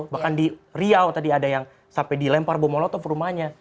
bahkan di riau tadi ada yang sampai dilempar bomolotov rumahnya